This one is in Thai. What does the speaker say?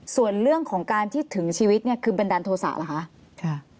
ส่วนเรื่องของการที่ถึงชีวิตเนี่ยคือบันดาลโทษะเหรอคะ